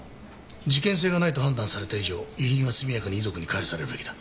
事件性がないと判断された以上遺品は速やかに遺族に返されるべきだ。